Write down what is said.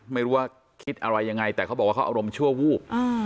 ไม่รู้ว่าคิดอะไรยังไงแต่เขาบอกว่าเขาอารมณ์ชั่ววูบ